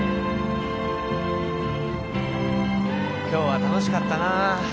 今日は楽しかったなぁ。